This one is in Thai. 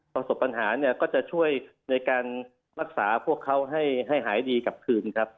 ประสบปัญหาเนี่ยก็จะช่วยในการรักษาพวกเขาให้หายดีกลับคืนครับ